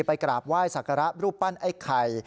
ไปกราบไหว้ศักรรมรูปปั้นไอ้ไข่